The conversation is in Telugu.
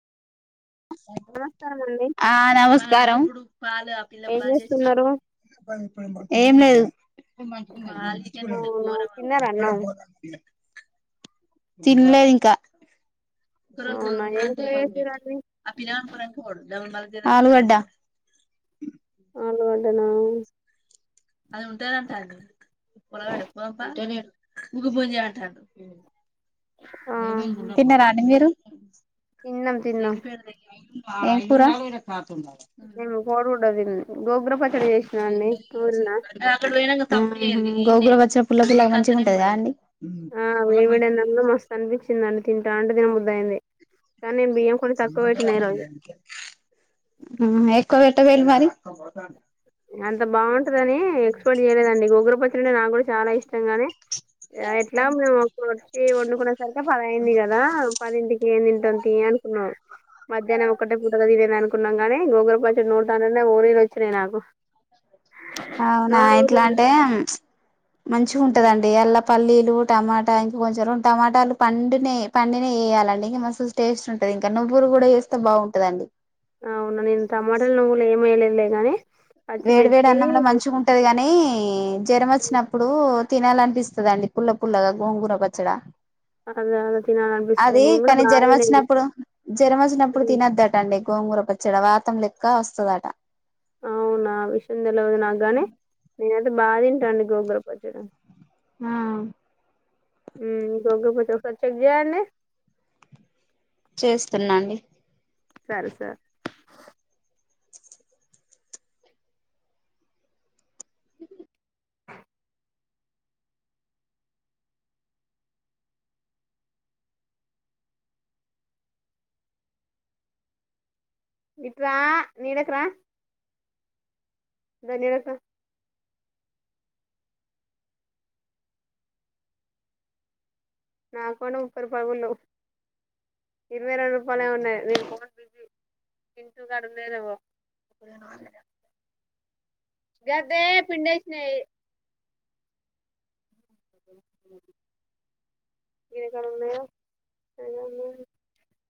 నమస్కారం అండి ఆ నమస్కారం ఇప్పుడు పాలు ఆ పిల్ల ఏం బా చేసి చేస్తున్నారు ఏం లేదు అవునా తిన్నార అన్నం కోర తినలేదు ఇంకా అవునా ఏం కూర చేసిరండి ఆ ప నను పర ఆలూగడ్డ ఆనుగంటనా అది ఉంటుది అంటాడి పొలగాడు పొలం ప ముగు పుంజ అంటాను ఆ తిన్న రాం మీరు తిన్నాం అ తిన్నాం దంగి పేడద ప నేను కోడిగుడ్డు తినను గోంగూర పచ్చడి చేసి [unintelligible] పచ్చిగ పుల్లపుల్ల గా మంచిగ ఉంటదా అండి ఆ వేడి వేడి అన్నం లో మస్త్ అనిపించి తిన్నా తింట అంటే తినబుద్దు అయింది కానీ నేను బియ్యం కొంచెం తక్కువ పెట్టినా ఈ హ్మ్ రోజు [unintelligible] మరి అంత బాగుం టదని ఎక్స్పెట్ చేయలేదండి గోంగూర పచ్చడంటే నాకు కూడా చాలా ఇష్టం గాని ఎట్లా మేము వచ్చి వండు సరిగ్గా పది అయింది కదా పదింటికి ఏంటి త [unintelligible] అనుకున్నాం మధ్యాహ్నం ఒక్కటే పూటగా తినేను అనుకున్నాం కాని గోంగూర పచ్చడి నూరతానే ఓరిలు వచ్చినాయి నాకు అవునా నోరు ఎట్లా ఊరింది అంటే మంచిగా ఉంటదండి అల్లా పల్లీలు టమాటా ఇంకా కొంచెం రెండు టమాటాలు పండినే పండినే వేయాలండి ఇంకా మస్త్ టేస్ట్ ఉంటది ఇంకా నువ్వులు కూడా చేస్తే బాగుంటదండి అవునా నేను టమాటాలు నువ్వులు ఏమి వేయలేదు లేగానే వేడి వేడి అన్నంలో మంచిగా ఉంటది గాని జ్వరం వచ్చినప్పుడు తినాలనిపిస్తుందిండి పుల్ల పుల్లగా గోంగూర పచ్చడా అలా అలా తినాలనిపిస్తది అది నేను కూడా కానీ బాగా జ్వరం తినేది వచ్చినప్పుడు జ్వరం వచ్చినప్పుడు ఉమ్, తినొద్దట అండి గోంగూర పచ్చడ వాతం లెక్క వస్తదట అవునా విష తెలవదు నాగ గానే నేనతే బా తింటాండి గోగుర పచ్చడం ఆ గగ ప చ ఒక చెకజయనే చేస్తున్నాండి సరే సార్ ఇట్రా నడకరా ఇంకా నీడక నాకుడా ముప్పై రూపళ్ళ ఇరవై రొండు రూపాలే ఉన్నాయి నేను బి తింటూ గడలేదవో గద్దే పిడి వేసినాయి [unintelligible]